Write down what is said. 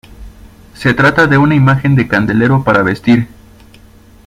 Se trata de una imagen de candelero para vestir.